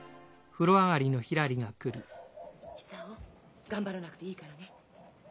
・久男頑張らなくていいからね。